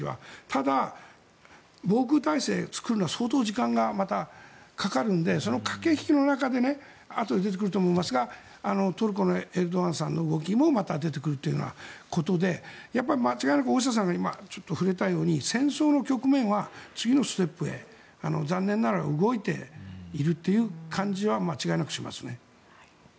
ただ、防空体制を作るのは相当時間がかかるのでその駆け引きの中であとで出てくると思いますがトルコのエルドアンさんの動きもまた出てくるということで間違いなく大下さんが今、ちょっと触れたように戦争の局面は次のステップへ残念ながら動いているという感じは間違いなくしますね。